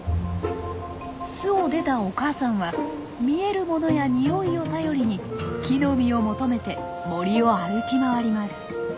巣を出たお母さんは見えるものやニオイを頼りに木の実を求めて森を歩き回ります。